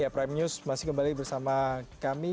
prime news masih kembali bersama kami